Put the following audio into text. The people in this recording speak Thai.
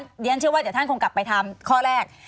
เรียนเชื่อว่าเดี๋ยวท่านคงกลับไปทำข้อแรก